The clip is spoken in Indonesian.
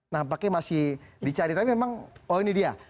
nampaknya masih dicari tapi memang oh ini dia